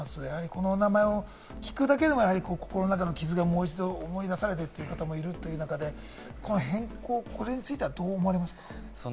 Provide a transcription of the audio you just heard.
この名前を聞くだけでも心の中の傷がもう一度思い出される方もいるという中で、この変更についてはどう思われますか？